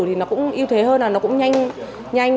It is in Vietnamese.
thì nó cũng yếu thế hơn là nó cũng nhanh